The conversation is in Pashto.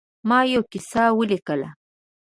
ما یوه کیسه ولیکله.